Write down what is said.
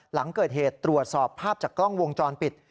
หลังเกิดเหตุตรวจสอบภาพจากกล้องวงจรปิด